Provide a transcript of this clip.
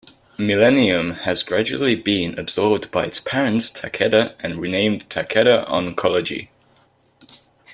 Millennium has gradually been absorbed by its parent Takeda and renamed Takeda Oncology.